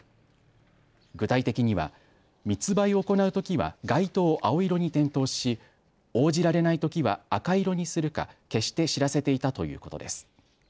具体的には密売を行うときは外灯を青色に点灯し応じられないときは赤色にするか消して知らせていたということです。